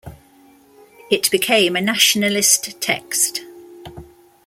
It became a nationalist text.